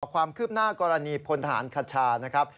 ความคืบหน้ากรณีพลทหารคชานะครับ